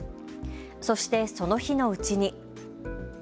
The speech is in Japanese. そしてその日のうちに。